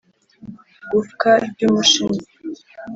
gufwa ry'umushino